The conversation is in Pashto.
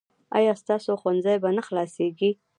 ایا ستاسو ښوونځی به نه خلاصیږي؟